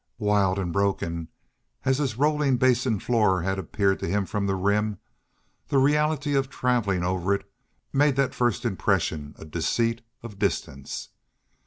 Wild and broken as this rolling Basin floor had appeared from the Rim, the reality of traveling over it made that first impression a deceit of distance.